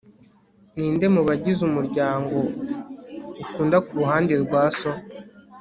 ninde mu bagize umuryango ukunda kuruhande rwa so